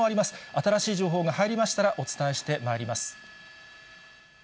新しい情報が入りましたらお伝えしてまいります。